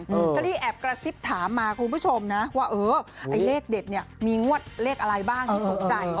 ถ้าที่แอบกระซิบถามมาคุณผู้ชมนะว่าเลขเด็ดเนี่ยมีงวดเลขอะไรบ้างต้องเข้าใจ